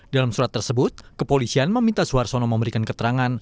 dalam surat tersebut kepolisian meminta suarsono memberikan keterangan